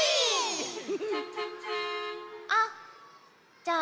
あっじゃあ